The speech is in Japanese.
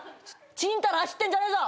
ちんたら走ってんじゃねえぞ。